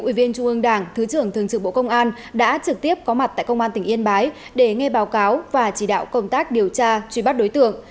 ủy viên trung ương đảng thứ trưởng thường trực bộ công an đã trực tiếp có mặt tại công an tỉnh yên bái để nghe báo cáo và chỉ đạo công tác điều tra truy bắt đối tượng